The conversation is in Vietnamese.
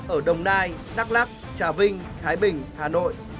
ở đồng nai đắk lắc trà vinh thái bình hà nội